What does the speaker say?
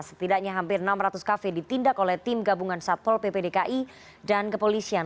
setidaknya hampir enam ratus kafe ditindak oleh tim gabungan satpol pp dki dan kepolisian